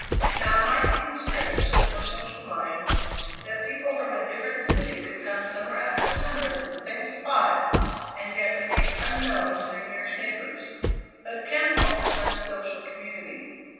Now it might seem strange to more social minds that people from a distant city could come summer after summer to the same spot and yet remain unknown to their nearest neighbours; but Kenmore was not a social community.